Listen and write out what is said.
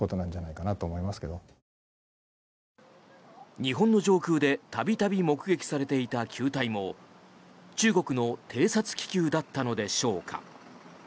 日本の上空で度々目撃されていた球体も中国の偵察気球だったのでしょうか。